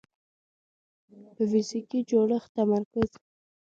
په فزیکي جوړښت تمرکز